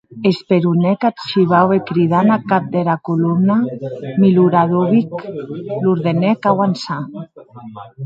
Esperonèc ath shivau e cridant ath cap dera colomna, Miloradovic, l’ordenèc auançar.